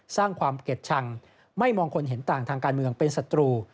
สร้างความเกลียดชังไม่มองคนเห็นต่างทางการเมืองเป็นศัตรู